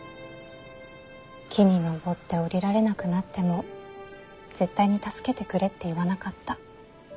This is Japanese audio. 木に登って下りられなくなっても絶対に助けてくれって言わなかった。